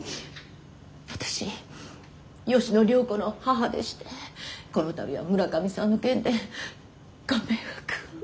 私吉野涼子の母でしてこの度は村上さんの件でご迷惑を。